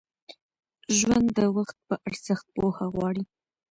ژوند د وخت په ارزښت پوهه غواړي.